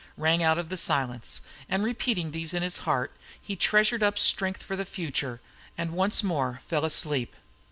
rang out of the silence, and repeating these in his heart, he treasured up strength for the future, and once more fell asleep.